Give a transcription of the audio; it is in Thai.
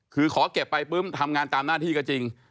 คือขอเก็บไปปุ๊บทำงานตามหน้าที่ก็จริง